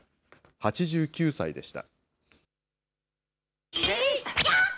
８９歳でした。